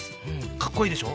かっこいいでしょ？